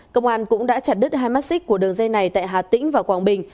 công an cũng đã chặt đứt hai mắt xích của đường dây này tại hà tĩnh và quảng bình